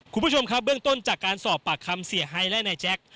คุณผู้ชมเรื่องต้นจากการสอบปากคำเสียหายและไหนจักร